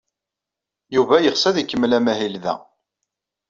Yuba yeɣs ad ikemmel amahil da.